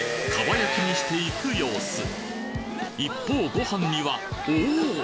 蒲焼きにしていく様子一方ご飯にはおぉ！